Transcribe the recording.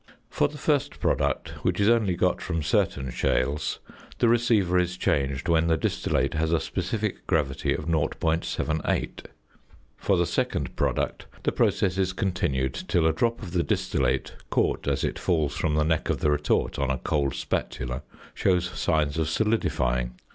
For the first product, which is only got from certain shales, the receiver is changed when the distillate has a specific gravity of 0.78. For the second product the process is continued till a drop of the distillate, caught as it falls from the neck of the retort on a cold spatula, shows signs of solidifying.